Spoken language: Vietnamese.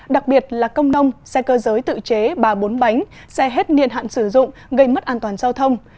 đặc biệt là công nông xe cơ giới tự chế bà bốn bánh xe hết niên hạn sử dụng gây mất an toàn giao thông